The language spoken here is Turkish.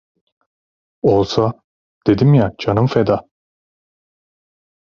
Olsa, dedim ya, canım feda…